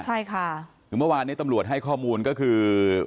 ใช่ค่ะคือเมื่อวานนี้ตำรวจให้ข้อมูลก็คือ